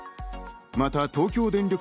また東京電力